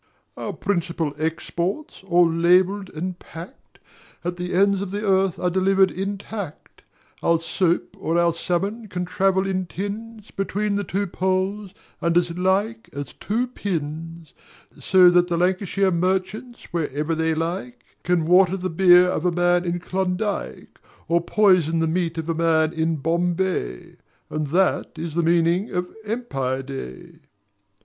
Our principal exports, all labelled and packed, At the ends of the earth are delivered intact: Our soap or our salmon can travel in tins Between the two poles and as like as two pins; So that Lancashire merchants whenever they like Can water the beer of a man in Klondike Or poison the meat of a man in Bombay; And that is the meaning of Empire Day.